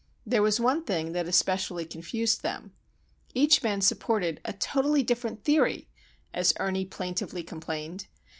There was one thing that especially confused them. Each man supported a "totally different theory," as Ernie plaintively complained.